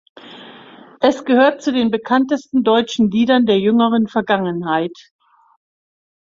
Es gehört zu den bekanntesten deutschen Liedern der jüngeren Vergangenheit.